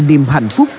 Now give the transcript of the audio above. niềm hạnh phúc